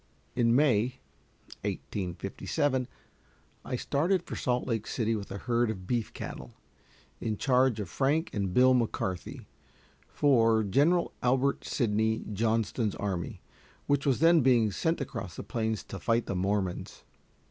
In May, 1857, I started for Salt Lake City with a herd of beef cattle, in charge of Frank and Bill McCarthy, for General Albert Sidney Johnston's army, which was then being sent across the plains to fight the Mormons.